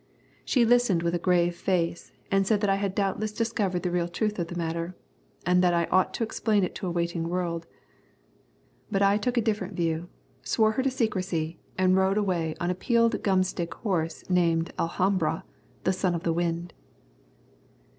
She listened with a grave face and said that I had doubtless discovered the real truth of the matter, and I ought to explain it to a waiting world. But I took a different view, swore her to secrecy, and rode away on a peeled gum stick horse named Alhambra, the Son of the Wind.